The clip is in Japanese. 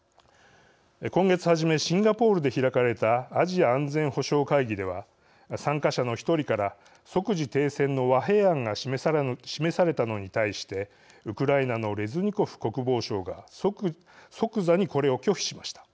今月初めシンガポールで開かれたアジア安全保障会議では参加者の１人から即時停戦の和平案が示されたのに対してウクライナのレズニコフ国防相が即座にこれを拒否しました。